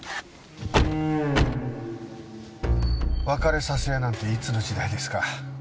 別れさせ屋なんていつの時代ですか？